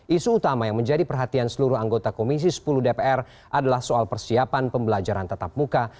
isu utama yang menjadi perhatian seluruh anggota komisi sepuluh dpr adalah soal persiapan pembelajaran tatap muka